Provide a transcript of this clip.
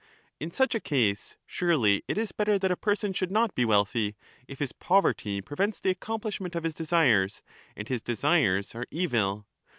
In such a case, surely, it is better that a person should not be wealthy, if his poverty prevents the accomplishment of his desires, and his desires are evil?